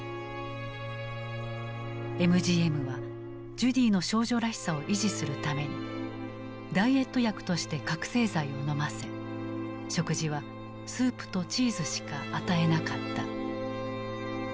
ＭＧＭはジュディの少女らしさを維持するためにダイエット薬として覚醒剤をのませ食事はスープとチーズしか与えなかった。